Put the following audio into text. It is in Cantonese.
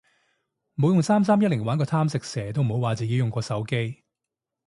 冇用三三一零玩過貪食蛇都唔好話自己用過手機